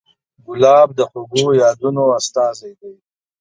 ګلاب د خوږو یادونو استازی دی.